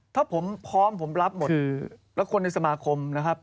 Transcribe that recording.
ถ้าผมพร้อมผมรับหมดแล้วคนในสมาคมนะครับ